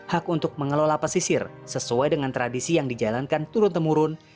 hak untuk mengelola pesisir sesuai dengan tradisi yang dijalankan turun temurun